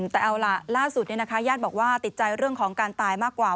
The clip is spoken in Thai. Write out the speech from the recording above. แต่เอาล่ะล่าสุดญาติบอกว่าติดใจเรื่องของการตายมากกว่า